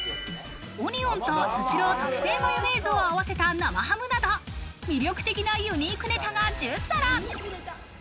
オニオンとスシロー特製マヨネーズを合わせた生ハムなど、魅力的なユニークネタが１０皿。